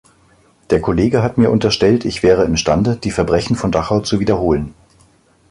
Der Kollege hat mir unterstellt, ich wäre imstande, die Verbrechen von Dachau zu wiederholen.